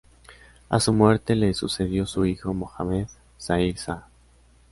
A su muerte le sucedió su hijo Mohammed Zahir Shah.